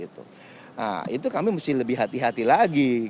nah itu kami mesti lebih hati hati lagi